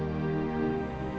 aku mau ke rumah